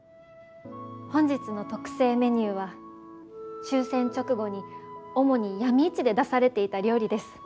本日の特製メニューは終戦直後に主に闇市で出されていた料理です。